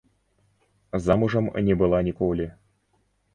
Замужам не была ніколі.